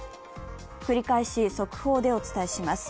繰り返し速報でお伝えします。